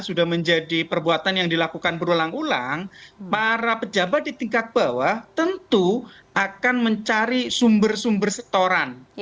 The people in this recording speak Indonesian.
sudah menjadi perbuatan yang dilakukan berulang ulang para pejabat di tingkat bawah tentu akan mencari sumber sumber setoran